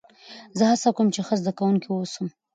زه هڅه کوم، چي ښه زدهکوونکی واوسم.